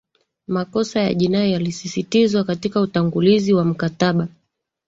makosa ya jinai yalisisitizwa katika utangulizi wa mkataba